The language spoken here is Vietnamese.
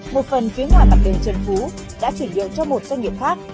một phần phía ngoài mặt đền trần phú đã chuyển nhượng cho một doanh nghiệp khác